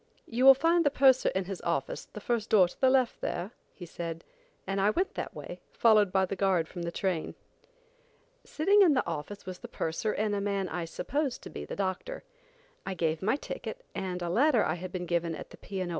"You will find the purser in his office the first door to the left there," he said; and I went that way, followed by the guard from the train. Sitting in the office was the purser and a man I supposed to be the doctor. I gave my ticket and a letter I had been given at the P. & O.